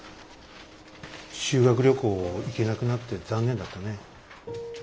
修学旅行行けなくなって残念だったね。